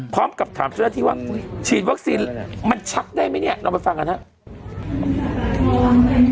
พร้อมกับถามเจ้าหน้าที่ว่าฉีดวัคซีนมันชักได้ไหมเนี่ยเราไปฟังกันครับ